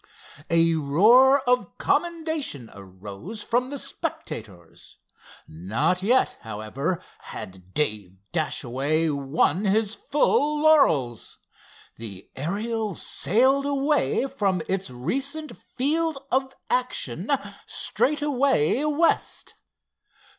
A roar of commendation arose from the spectators. Not yet, however, had Dave Dashaway won his full laurels. The Ariel sailed away from its recent field of action straightaway west.